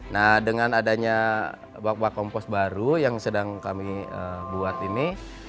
nah dengan adanya bak bak kompos baru yang sedang kami buat ini